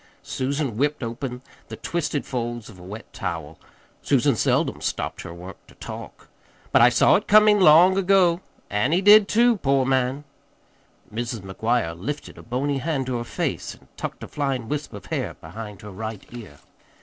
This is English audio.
Susan whipped open the twisted folds of a wet towel. Susan seldom stopped her work to talk. "But I saw it comin' long ago. An' he did, too, poor man!" Mrs. McGuire lifted a bony hand to her face and tucked a flying wisp of hair behind her right ear.